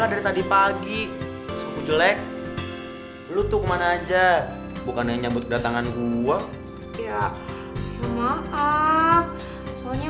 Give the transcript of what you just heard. ya udah tadi pagi jelek lu tuh kemana aja bukan nyambut kedatangan gua ya maaf soalnya